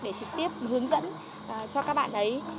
để trực tiếp hướng dẫn cho các bạn ấy